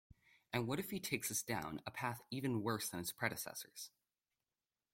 And what if he takes us down a path even worse than his predecessor's?